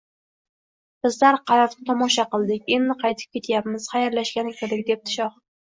– Bizlar qal’ani tomosha qildik. Endi qaytib ketyapmiz. Xayrlashgani kirdik, – debdi shoh.